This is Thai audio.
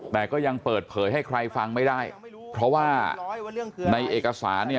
แต่ก็ยังเปิดเผยให้ใครฟังไม่ได้เพราะว่าในเอกสารเนี่ย